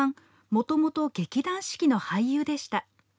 もともと劇団四季の俳優でした。